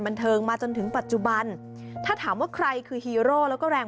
บันเทิงมาจนถึงปัจจุบันถ้าถามว่าใครคือฮีโร่แล้วก็แรง